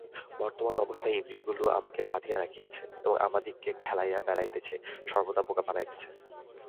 বর্তমান অবস্থায় ইন্দ্রিয়গুলি আমাকে বাঁধিয়া রাখিয়াছে এবং আমাদিগকে খেলাইয়া বেড়াইতেছে, সর্বদাই বোকা বানাইতেছে।